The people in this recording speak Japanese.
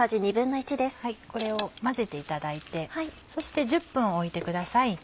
これを混ぜていただいてそして１０分置いてください。